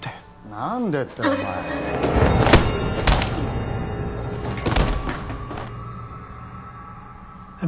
何でってお前えっ